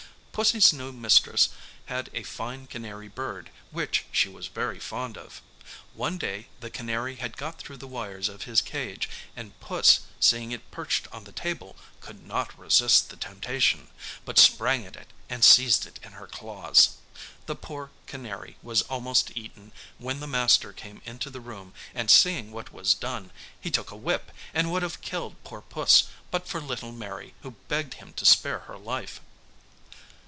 Pussy's new mistress had a fine canary bird, which she was very fond of. One day the canary had got through the wires of his cage, and Puss seeing it perched on the table, could not resist the temptation; but sprang at it and seized it in her claws. The poor canary was almost eaten, when the master came into the room, and seeing what was done, he took a whip, and would have killed poor Puss, but for little Mary, who begged him to spare her life.